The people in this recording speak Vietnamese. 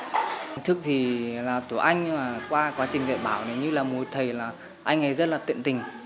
thầy thức thì là tụi anh qua quá trình dạy bảo như là một thầy là anh ấy rất là tiện tình